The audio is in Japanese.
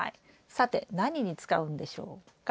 さて何に使うんでしょうか？